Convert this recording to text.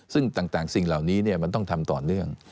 ซึ่งต่างสิ่งเหล่านี้มันต้องทำต่อเนื่อง